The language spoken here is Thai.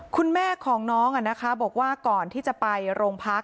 คุณแม่ของน้องบอกว่าก่อนที่จะไปโรงพัก